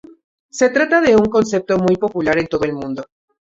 Se trata de un concepto muy popular en todo el mundo.